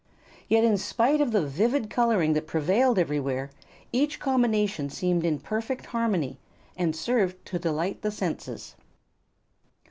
Yet in spite of the vivid coloring that prevailed everywhere, each combination seemed in perfect harmony and served to delight the senses.